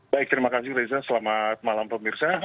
baik terima kasih reza selamat malam pemirsa